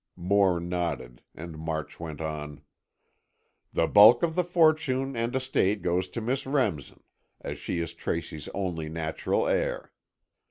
Moore nodded, and March went on: "The bulk of the fortune and estate goes to Miss Remsen, as she is Tracy's only natural heir.